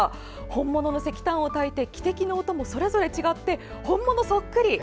本物の石炭をたいて、汽笛の音もそれぞれ違って本物そっくり。